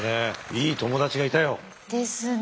いい友達がいたよ。ですね。